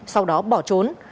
sau đó bỏ trốn